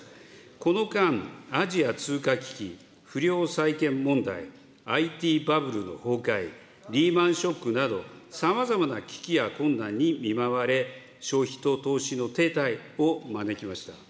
この間、アジア通貨危機、不良債権問題、ＩＴバブルの崩壊、リーマンショックなど、さまざまな危機や困難に見舞われ、消費と投資の停滞を招きました。